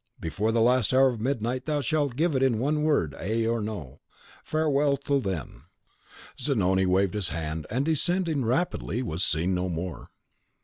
Before the last hour of night thou shalt give it in one word, ay or no! Farewell till then." Zanoni waved his hand, and, descending rapidly, was seen no more.